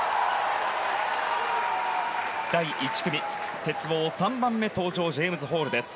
第１組、鉄棒３番目登場ジェームズ・ホールです。